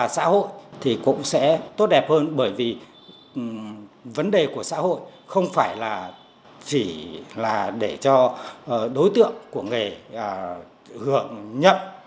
xã hội thì cũng sẽ tốt đẹp hơn bởi vì vấn đề của xã hội không phải là chỉ là để cho đối tượng của nghề gượng nhậm